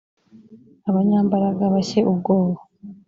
abanyambaraga bashye ubwoba